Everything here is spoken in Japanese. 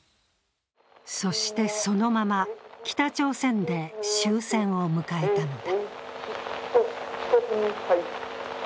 そして、そのまま北朝鮮で終戦を迎えたのだ。